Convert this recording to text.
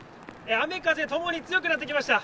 雨、風ともに強くなってきました。